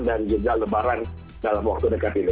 dan jenderal lebaran dalam waktu dekat ini